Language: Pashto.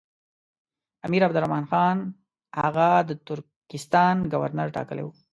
امیر عبدالرحمن خان هغه د ترکستان ګورنر ټاکلی وو.